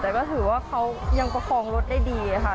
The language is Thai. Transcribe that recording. แต่ก็ถือว่าเขายังประคองรถได้ดีค่ะ